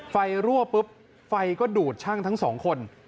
รั่วปุ๊บไฟก็ดูดช่างทั้งสองคน